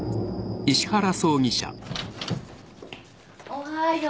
おはよう。